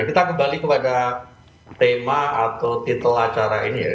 kita kembali kepada tema atau titel acara ini ya